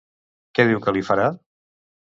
Què diu que li farà?